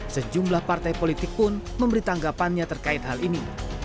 sejumlah partai politik pun memberi tanggapannya terkait hal ini